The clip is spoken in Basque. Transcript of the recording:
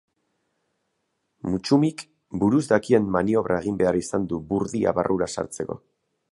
Mutsumik buruz dakien maniobra egin behar izan du burdia barrura sartzeko.